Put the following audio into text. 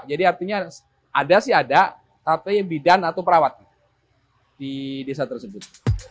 jadi artinya ada sih ada tapi bidan atau perawat di desa tersebut